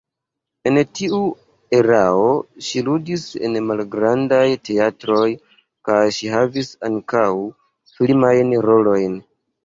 En tiu erao ŝi ludis en malgrandaj teatroj kaj ŝi havis ankaŭ filmajn rolojn.